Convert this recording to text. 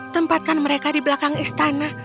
tempatkan mereka di belakang istana